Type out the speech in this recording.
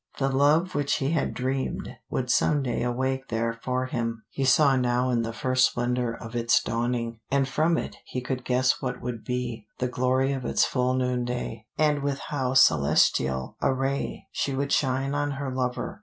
The love which he had dreamed would some day awake there for him, he saw now in the first splendor of its dawning, and from it he could guess what would be the glory of its full noonday, and with how celestial a ray she would shine on her lover.